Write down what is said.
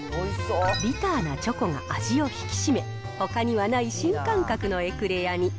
ビターなチョコが味を引き締め、ほかにはない新感覚のエクレアに。